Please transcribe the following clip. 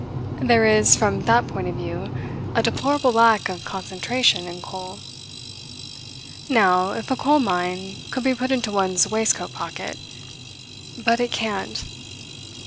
There is, from that point of view, a deplorable lack of concentration in coal. Now, if a coal mine could be put into one's waistcoat pocket but it can't!